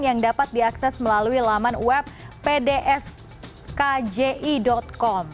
yang dapat diakses melalui laman web pdskji com